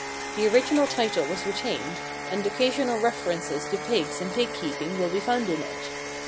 The original title was retained, and occasional references to pigs and pig keeping will be found in it.